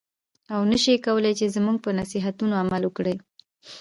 او نه شې کولای چې زما په نصیحتونو عمل وکړې.